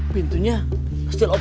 pintunya masih terbuka